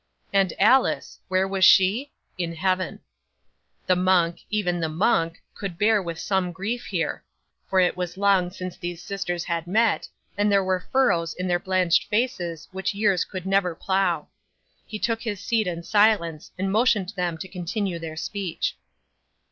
'And Alice where was she? In Heaven. 'The monk even the monk could bear with some grief here; for it was long since these sisters had met, and there were furrows in their blanched faces which years could never plough. He took his seat in silence, and motioned them to continue their speech.